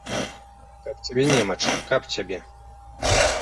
Каб цябе немач, каб цябе!